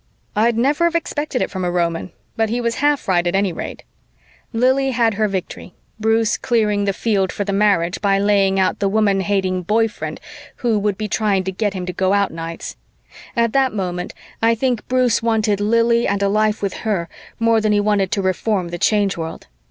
I'd never have expected it from a Roman, but he was half right at any rate. Lili had her victory: Bruce clearing the field for the marriage by laying out the woman hating boy friend who would be trying to get him to go out nights. At that moment, I think Bruce wanted Lili and a life with her more than he wanted to reform the Change World.